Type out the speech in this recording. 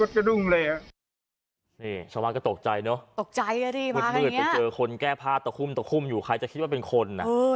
ซึ่งเจอคนแก้พาตกคุ้มตกคุ้มอยู่ใครจะคิดว่าเป็น